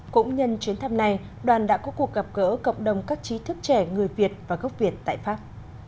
cũng nhân chuyến thăm này đoàn đã có cuộc gặp gỡ cộng đồng các trí thức trẻ người việt và gốc việt tại pháp